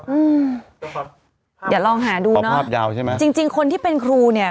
อืมเดี๋ยวลองหาดูเนาะภาพยาวใช่ไหมจริงจริงคนที่เป็นครูเนี่ย